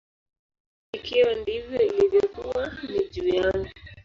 Hata ikiwa ndivyo ilivyokuwa, ni juu yangu.